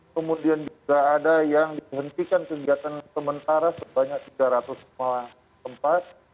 kemudian juga ada yang dihentikan kegiatan sementara sebanyak tiga ratus lima tempat